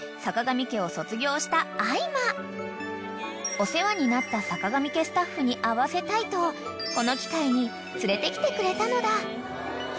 ［お世話になったさかがみ家スタッフに会わせたいとこの機会に連れてきてくれたのだ］